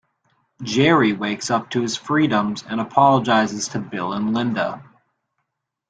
Jerry wakes up to his freedoms and apologizes to Bill and Linda.